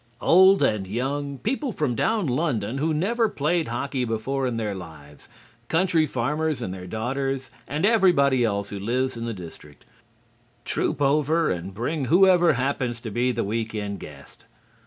Old and young people from down London who never played hockey before in their lives; country farmers and their daughters, and everybody else who lives in the district troop over and bring whoever happens to be the week end guest.